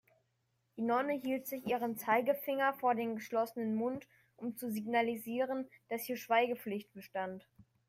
Die Nonne hielt sich ihren Zeigefinger vor den geschlossenen Mund, um zu signalisieren, dass hier Schweigepflicht bestand.